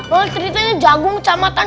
mereka ceritanya jagung kecamatan